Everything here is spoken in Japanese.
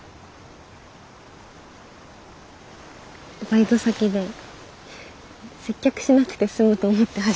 バイト先で接客しなくて済むと思って始めたんです。